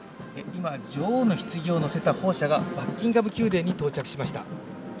今、女王のひつぎを乗せた砲車がバッキンガム宮殿に到着しました。